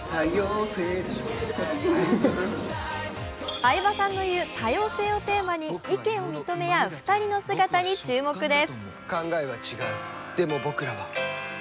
相葉さんの言う多様性をテーマに意見を認め合う２人の姿に注目です。